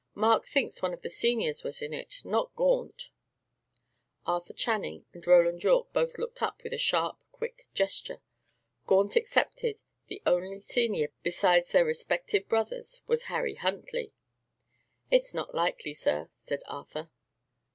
Mark thinks one of the seniors was in it; not Gaunt." Arthur Channing and Roland Yorke both looked up with a sharp, quick gesture. Gaunt excepted, the only senior, besides their respective brothers, was Harry Huntley. "It is not likely, sir," said Arthur.